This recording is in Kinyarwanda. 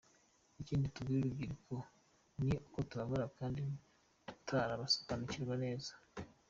Ikindi tubwira urubyiruko ni uko tubabara kandi tutarasobanukirwa neza.